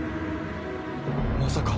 まさか。